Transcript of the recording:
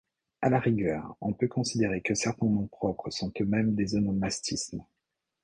À la rigueur, on peut considérer que certains noms propres sont eux-mêmes des onomastismes.